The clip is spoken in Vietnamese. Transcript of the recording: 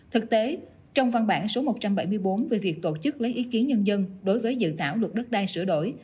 thực tế trong văn bản số một trăm bảy mươi bốn về việc tổ chức lấy ý kiến nhân dân đối với dự thảo luật đất đai sửa đổi